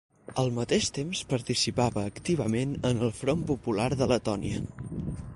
Al mateix temps, participava activament en el Front Popular de Letònia.